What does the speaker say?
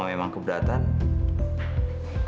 kita harus buru buru